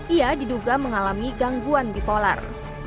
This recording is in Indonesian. ia diduga mengalami gangguan bipolar